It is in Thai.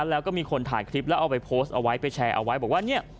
แล้วก็มีคนถ่ายคลิปแล้วเอาไปโพสต์เอาไว้ไปแชร์เอาไว้บอกว่าเนี่ย